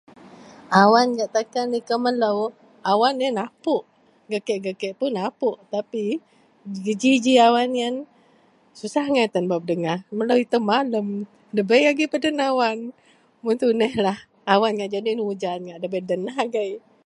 Awan gak takan likou melou, awan yen apuk gak takan kek, geji ji awan yen, susah angai tan bak pedengah, melou itou padem, ndabei agei peden awan, mun tuneh awan ngak nyadin hujan, yen un agei